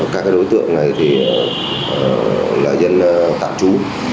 các đối tượng này là dân tạm trú